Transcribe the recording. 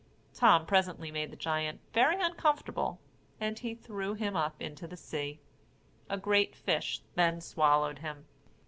Tom presently made the giant very uncomfortable, and he threw him up into the sea. A great fish then swallowed him.